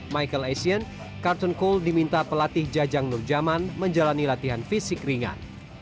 michael asien carlton cole diminta pelatih jajang nur jaman menjalani latihan fisik ringan